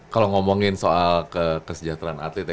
kalau ngomongin soal kesejahteraan atlet ya